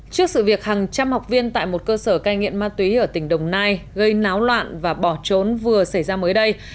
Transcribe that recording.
trước sự việc hàng trăm học viên tại một cơ sở cai nghiện ma túy ở tỉnh đồng nai gây náo loạn và bỏ trốn vừa xảy ra mới đây